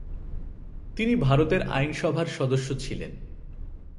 তিনি ভারতের আইনসভার সদস্য ছিলেন।